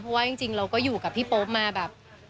เพราะว่าจริงเราก็อยู่กับพี่โป๊ปมาแบบ